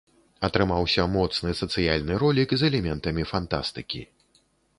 Атрымаўся моцны сацыяльны ролік з элементамі фантастыкі.